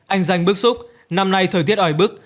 anh danh bức xúc năm nay thời tiết ài bức